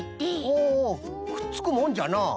おおくっつくもんじゃな。